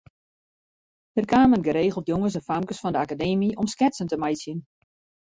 Der kamen geregeld jonges en famkes fan de Akademy om sketsen te meitsjen.